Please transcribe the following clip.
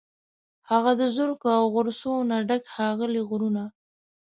هغه د زرکو، او غرڅو، نه ډک، ښاغلي غرونه